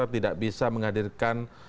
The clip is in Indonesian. tidak bisa menghadirkan